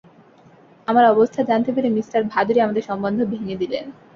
আমার অবস্থা জানতে পেরে মিস্টার ভাদুড়ি আমাদের সম্বন্ধ ভেঙে দিলেন।